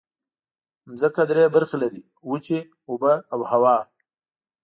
ځمکه درې برخې لري: وچې، اوبه او هوا.